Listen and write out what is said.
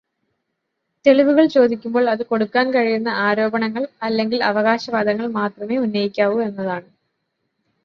തെളിവുകൾ ചോദിക്കുമ്പോൾ അതു കൊടുക്കാൻ കഴിയുന്ന ആരോപണങ്ങൾ അല്ലെങ്കിൽ അവകാശവാദങ്ങൾ മാത്രമേ ഉന്നയിക്കാവൂ എന്നതാണ്.